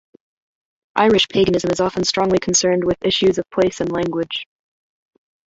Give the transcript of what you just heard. Irish Paganism is often strongly concerned with issues of place and language.